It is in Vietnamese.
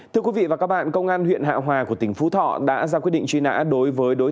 thưa quý vị và các bạn công an huyện hạ hòa của tỉnh phú thọ đã ra quyết định truy nã đối với đối tượng